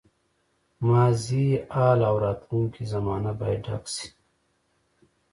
ماضي، حال او راتلونکې زمانه باید ډک شي.